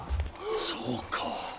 そうか。